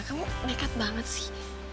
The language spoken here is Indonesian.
kamu nekat banget sih